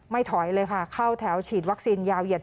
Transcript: ถอยเลยค่ะเข้าแถวฉีดวัคซีนยาวเหยียด